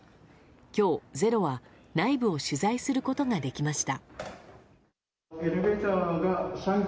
今日、「ｚｅｒｏ」は内部を取材することができました。